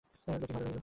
লক্ষ্মী ঘরে রহিল।